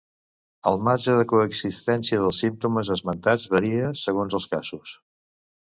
El marge de coexistència dels símptomes esmentats varia segons els casos.